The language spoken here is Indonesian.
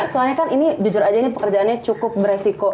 soalnya kan ini jujur aja ini pekerjaannya cukup beresiko